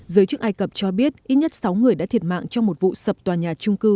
giới chức ai cập cho biết ít nhất sáu người đã thiệt mạng trong một vụ sập tòa nhà trung cư